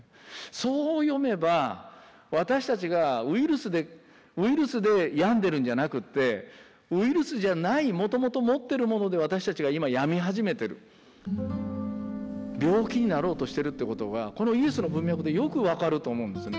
そう読めば私たちがウイルスで病んでるんじゃなくってウイルスじゃないもともと持ってるもので私たちが今病み始めてる病気になろうとしてるってことがこのイエスの文脈でよく分かると思うんですね。